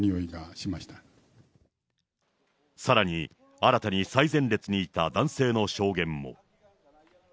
さらに、新たに最前列にいた男性の証言も。